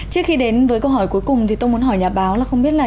trước khi đến với câu hỏi cuối cùng thì tôi muốn hỏi nhà báo là không biết là